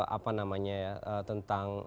apa namanya ya tentang